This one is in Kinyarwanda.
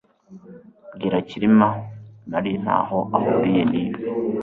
Bwira Kirima Mary ntaho ahuriye nibi